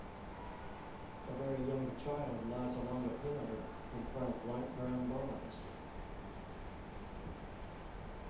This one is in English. A very young child lies along a pillow in front of light brown bars